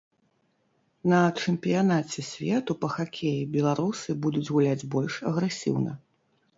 На чэмпіянаце свету па хакеі беларусы будуць гуляць больш агрэсіўна.